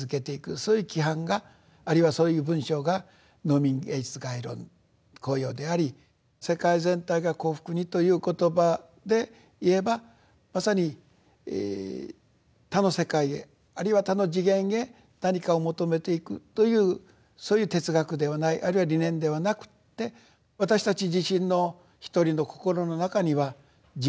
そういう規範があるいはそういう文章が「農民芸術概論綱要」であり世界全体が幸福にという言葉でいえばまさに他の世界へあるいは他の次元へ何かを求めていくというそういう哲学ではないあるいは理念ではなくて私たち自身の一人の心の中には地獄餓鬼畜生の悪もあります。